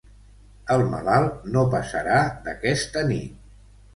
El malalt no passarà d'aquesta nit.